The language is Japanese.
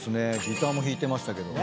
ギターも弾いてましたけど。